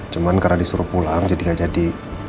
cuman karena disuruh pulang jadi gak jadi